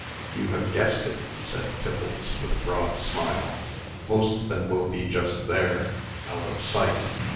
"You have guessed it," said Tiffles, with a broad smile. "Most of them will be just there out of sight.